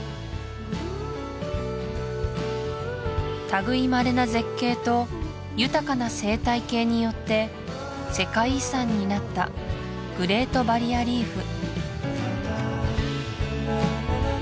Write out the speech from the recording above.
類いまれな絶景と豊かな生態系によって世界遺産になったグレート・バリア・リーフ